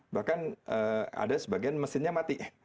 bahkan ada sebagian mesinnya mati